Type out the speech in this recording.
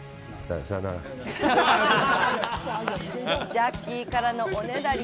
ジャッキーからのおねだり。